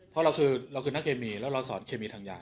เพราะเราคือเราคือนักเคมีแล้วเราสอนเคมีทางยา